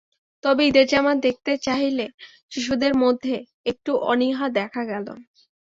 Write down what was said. তবে ঈদের জামা দেখতে চাইলে শিশুদের মধ্যে একটু অনীহা দেখা গেল।